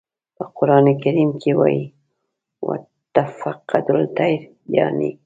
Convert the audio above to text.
په قرآن کریم کې وایي "و تفقد الطیر" یانې.